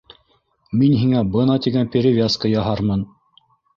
Мин һиңә бына тигән перевязка яһармын.